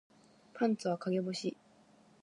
パンツは陰干し